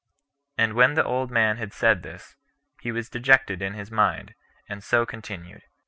And when the old man had said this, he was dejected in his mind, and so continued.